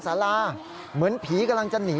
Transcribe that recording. สายลูกไว้อย่าใส่